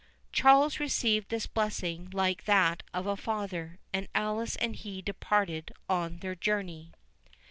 Charles received this blessing like that of a father, and Alice and he departed on their journey.